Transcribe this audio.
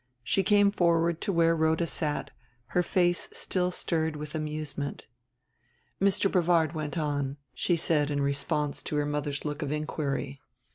She came forward to where Rhoda sat, her face still stirred with amusement. "Mr. Brevard went on," she said in response to her mother's look of inquiry.